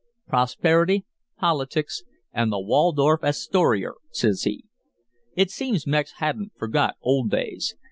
"'Prosperity, politics, an' the Waldorf Astorier,' says he. It seems Mex hadn't forgot old days.